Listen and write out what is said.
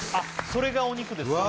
それがお肉ですか？